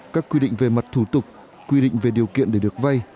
các quy định về mặt thủ tục quy định về điều kiện để được vay